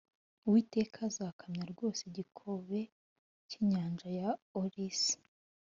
Uwiteka azakamya rwose ikigobe cy inyanja ya olisi